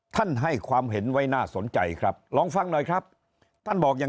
ให้ความเห็นไว้น่าสนใจครับลองฟังหน่อยครับท่านบอกอย่าง